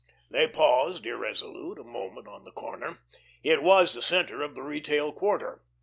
They paused, irresolute, a moment on the corner. It was the centre of the retail quarter.